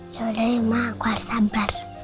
yaudah ya ma aku harus sabar